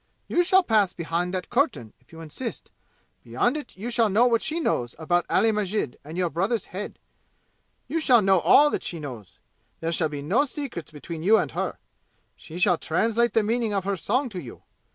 "You shall pass behind that curtain, if you insist. Beyond it you shall know what she knows about Ali Masjid and your brother's head! You shall know all that she knows! There shall be no secrets between you and her! She shall translate the meaning of her song to you!